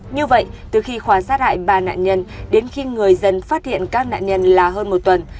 như vậy từ khi khoa sát hại ba nạn nhân đến khi người dân phát hiện các nạn nhân là hơn một tuần